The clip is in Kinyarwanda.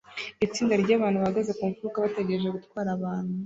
Itsinda ryabantu bahagaze ku mfuruka bategereje gutwara abantu